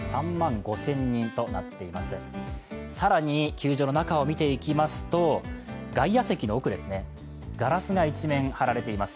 球場の中を見ていきますと外野席の奥、ガラスが一面張られています。